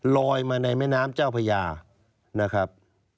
ลอยมาในแม่น้ำเจ้าพญานะครับ